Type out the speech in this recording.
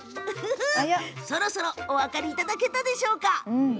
そろそろお分かりいただけたでしょうか？